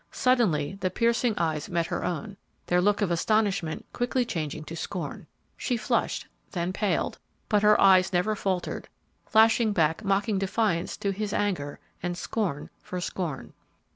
Suddenly the piercing eyes met her own, their look of astonishment quickly changing to scorn. She flushed, then paled, but her eyes never faltered, flashing back mocking defiance to his anger and scorn for scorn.